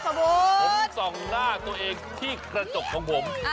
ผมส่องหน้าตัวเองที่กระจกของผม